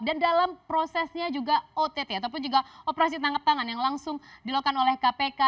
dan dalam prosesnya juga ott ataupun juga operasi tangkap tangan yang langsung dilakukan oleh kpk